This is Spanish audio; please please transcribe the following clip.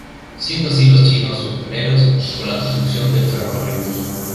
Siendo así los chinos sus pioneros, con la construcción del ferrocarril.